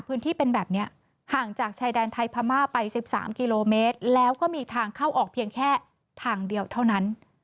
พื้นที่เป็นแบบนี้ห่างจากชายแดนไทยพม่าไป๑๓กิโลเมตรแล้วก็มีทางเข้าออกเพียงแค่ทางเดียวเท่านั้น